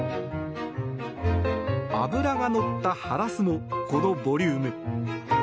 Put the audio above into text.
脂が乗ったハラスもこのボリューム。